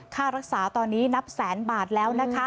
ค่ารักษาตอนนี้นับแสนบาทแล้วนะคะ